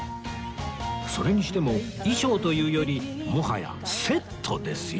それにしても衣装というよりもはやセットですよね